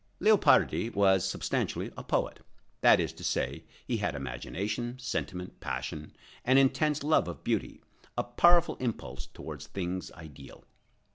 Leopardi was substantially a poet,—that is to say, he had imagination, sentiment, passion, an intense love of beauty, a powerful impulse towards things ideal.